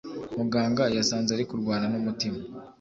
muganga yasanze arikurwana numutima